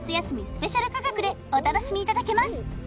スペシャル価格でお楽しみいただけます